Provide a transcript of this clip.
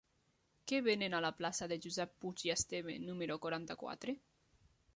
Què venen a la plaça de Josep Puig i Esteve número quaranta-quatre?